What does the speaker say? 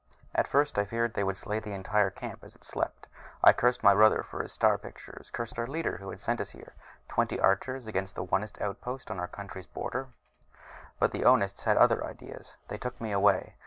At first I feared that they would slay the entire camp as it slept and I cursed my brother for his star pictures, cursed our leader who had sent us here, twenty archers, against the Onist outpost on our country's border. But the Onists had other ideas. They took me away.